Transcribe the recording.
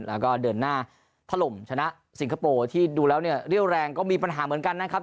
แล้วก็เดินหน้าถล่มชนะสิงคโปร์ที่ดูแล้วเนี่ยเรี่ยวแรงก็มีปัญหาเหมือนกันนะครับ